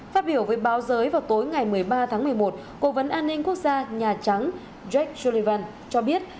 phát biểu với báo giới vào tối ngày một mươi ba tháng một mươi một cố vấn an ninh quốc gia nhà trắng jake sullivan cho biết